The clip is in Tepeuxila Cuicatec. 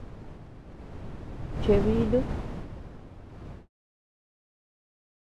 Cheʼe binu.